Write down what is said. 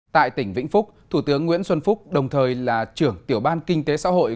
tại tỉnh vĩnh phúc thủ tướng nguyễn xuân phúc đồng thời là trưởng tiểu ban kinh tế xã hội